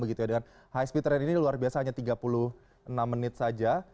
dengan high speed train ini luar biasa hanya tiga puluh enam menit saja